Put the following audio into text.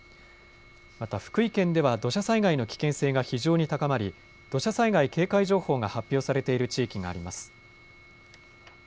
また福井県では、土砂災害の危険性が非常に高まり、土砂災害警戒情報が発表されている地域があります。